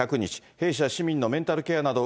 兵士や市民のメンタルケアなど、